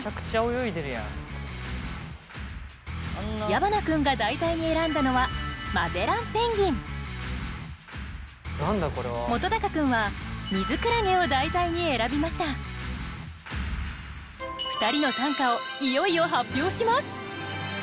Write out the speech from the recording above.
矢花君が題材に選んだのは本君はミズクラゲを題材に選びました２人の短歌をいよいよ発表します